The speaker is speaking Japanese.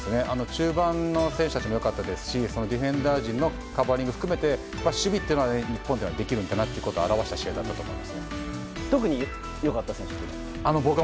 中盤の選手たちも良かったですしディフェンダー陣のカバーリング含めて守備というのは日本はできるんだなというのを特に良かった選手は？